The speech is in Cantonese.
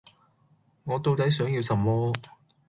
我到底想要什麼